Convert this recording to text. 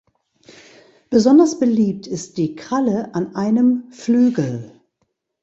Besonders beliebt ist die Kralle an einem Flügel.